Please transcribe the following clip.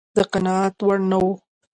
د قناعت وړ نه و.